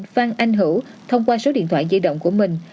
phan anh hữu thông qua số điện thoại di động của mình